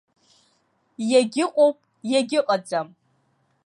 Иагьыҟоуп иагьыҟаӡам.